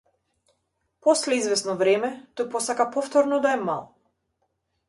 После извесно време, тој посака повторно да е мал.